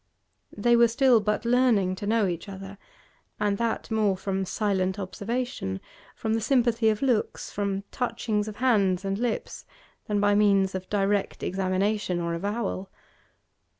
They were still but learning to know each other, and that more from silent observation, from the sympathy of looks, from touchings of hands and lips, than by means of direct examination or avowal.